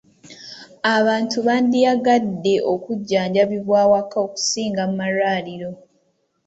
Abantu bandyagadde okujjanjabibwa awaka okusinga mu malwaliro.